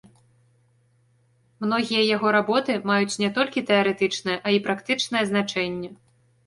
Многія яго работы маюць не толькі тэарэтычнае, а і практычнае значэнне.